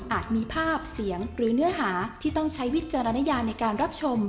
มีภาพเสียงหรือเนื้อหาที่ต้องใช้วิจารณญาในการรับชม